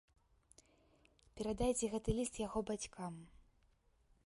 Перадайце гэты ліст яго бацькам.